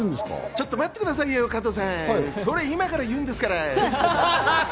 ちょっと待ってくださいよ、加藤さん、それ今から言うんですから。